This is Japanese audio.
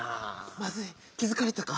まずい気づかれたか？